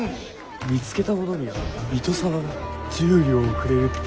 見つけた者には水戸様が１０両くれるって噂だよ。